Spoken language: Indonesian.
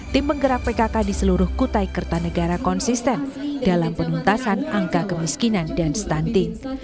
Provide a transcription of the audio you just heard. tim penggerak pkk di seluruh kutai kertanegara konsisten dalam penuntasan angka kemiskinan dan stunting